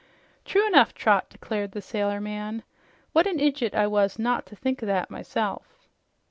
"True enough, Trot," declared the sailor man. "What an idjut I was not to think o' that myself!"